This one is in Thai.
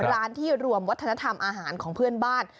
ร้านที่รวมวัฒนธรรมอาหารของเพื่อนบ้าน